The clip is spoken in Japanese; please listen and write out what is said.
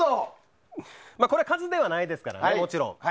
これは数ではないですからねもちろん。